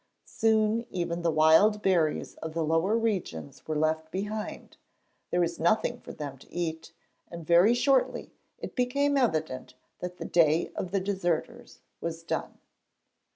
Soon, even the wild berries of the lower regions were left behind; there was nothing for them to eat, and very shortly it became evident that the day of the deserters was done.